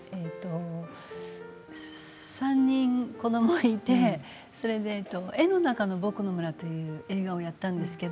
３人子どもがいて「絵の中のぼくの村」という映画をやったんです。